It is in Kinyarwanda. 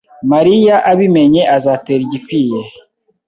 Mariya abimenye azatera igikwiye